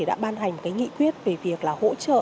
đã ban hành nghị quyết về việc hỗ trợ